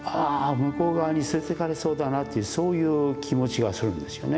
向こう側に連れていかれそうだなというそういう気持ちがするんですよね